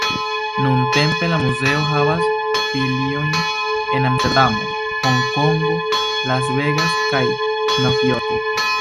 Nuntempe la muzeo havas filiojn en Amsterdamo, Honkongo, Las Vegas kaj Novjorko.